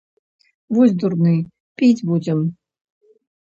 Вось дурны, піць будзем.